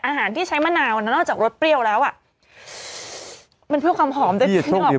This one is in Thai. อาหารที่ใช้มะนาวน่าวจากรสเปรี้ยวแล้วอ่ะมันเพิ่มความหอมได้พี่ชอบกิน